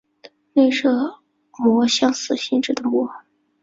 内射模相似性质的模。